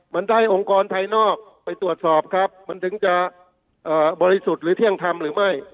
มันได้องค์กรภายนอกไปตรวจสอบครับมันถึงจะบริสุทธิ์หรือเที่ยงธรรมหรือไม่